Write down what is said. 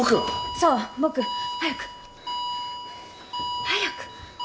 ・そう僕早く早く！